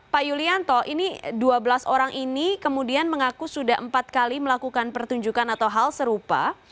pak yulianto ini dua belas orang ini kemudian mengaku sudah empat kali melakukan pertunjukan atau hal serupa